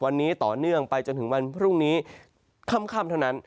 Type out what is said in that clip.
วันนี้ต่อเนื่องไปจนถึงวันพรุ่งนี้ค่ำเท่านั้น